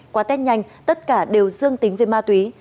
qua test nhanh tất cả đều dương tính với ma túy